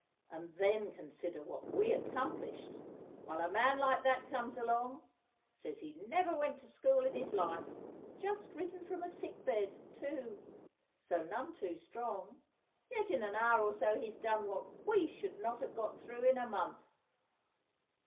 And then consider what we accomplished! While a man like that comes along—says he never went to school in his life, just risen from a sick bed, too, so none too strong—yet in an hour or so he's done what we should not have got through in a month.